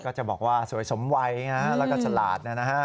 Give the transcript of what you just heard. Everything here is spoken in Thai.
ก็จะบอกว่าสวยสมวัยแล้วก็ฉลาดนะฮะ